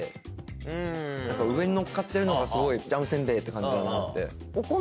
上にのっかってるのがすごいジャムせんべいって感じがあって。